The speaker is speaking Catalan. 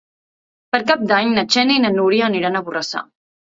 Per Cap d'Any na Xènia i na Núria aniran a Borrassà.